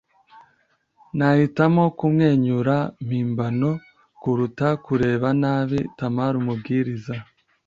nahitamo kumwenyura mpimbano kuruta kureba nabi. - tamara umubwiriza